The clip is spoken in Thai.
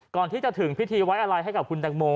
ก่อนที่จะถึงพิธีไว้อะไรให้กับคุณตังโม